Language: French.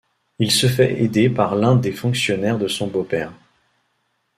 Il se fait aider par l'un des fonctionnaires de son beau-père.